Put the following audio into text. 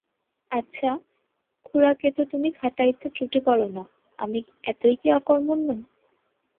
আচ্ছা, খুড়াকে তো তুমি খাটাইতে ত্রুটি কর না, আমি এতই কি অকর্মণ্য?